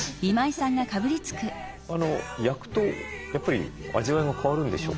焼くとやっぱり味わいが変わるんでしょうか？